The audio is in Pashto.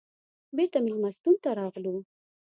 بېرته مېلمستون ته راغلو.